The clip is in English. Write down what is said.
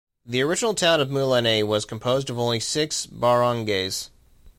The original town of Mulanay was composed of only six barangays.